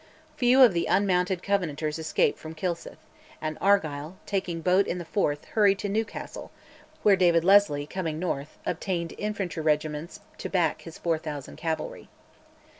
Few of the unmounted Covenanters escaped from Kilsyth; and Argyll, taking boat in the Forth, hurried to Newcastle, where David Leslie, coming north, obtained infantry regiments to back his 4000 cavalry.